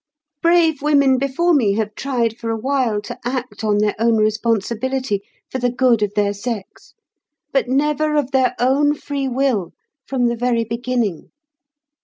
Brave women before me have tried for a while to act on their own responsibility, for the good of their sex; but never of their own free will from the very beginning.